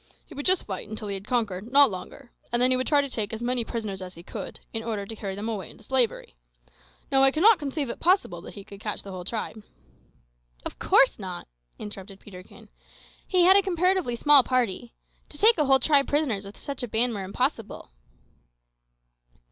He would just fight until he had conquered, not longer; and then he would try to take as many prisoners as he could, in order to carry them away into slavery. Now, I cannot conceive it possible that he could catch the whole tribe." "Of course not," interrupted Peterkin; "he had a comparatively small party. To take a whole tribe prisoners with such a band were impossible."